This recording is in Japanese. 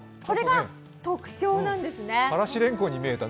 これが特徴なんですね。